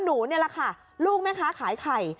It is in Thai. หนูนี่แหละค่ะลูกแม่ค้าขายไข่